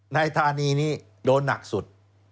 ธานีนี้โดนหนักสุด